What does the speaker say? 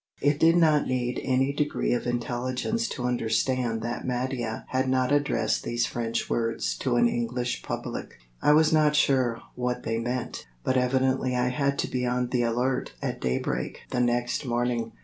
It did not need any degree of intelligence to understand that Mattia had not addressed these French words to an English public. I was not sure what they meant, but evidently I had to be on the alert at daybreak the next morning.